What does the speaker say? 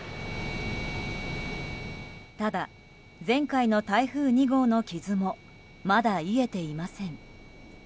ただ、前回の台風２号の傷もまだ癒えていません。